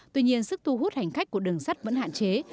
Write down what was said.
tuy nhiên sức thu hút hành khách của đường sắt vẫn hạn chế